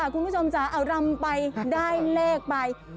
คุณผู้ชมจ๋าเอารำไปได้เลขไป